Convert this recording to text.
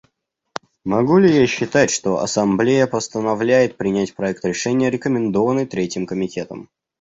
Могу ли я считать, что Ассамблея постановляет принять проект решения, рекомендованный Третьим комитетом?